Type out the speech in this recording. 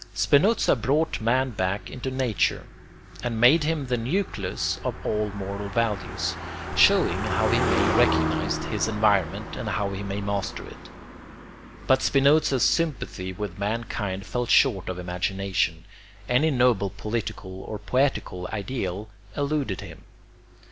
Spinoza brought man back into nature, and made him the nucleus of all moral values, showing how he may recognise his environment and how he may master it. But Spinoza's sympathy with mankind fell short of imagination; any noble political or poetical ideal eluded him.